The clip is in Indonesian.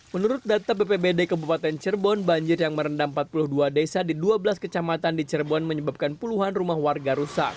menurut data bpbd kabupaten cirebon banjir yang merendam empat puluh dua desa di dua belas kecamatan di cirebon menyebabkan puluhan rumah warga rusak